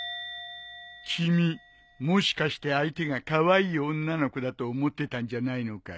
君もしかして相手がカワイイ女の子だと思ってたんじゃないのかい。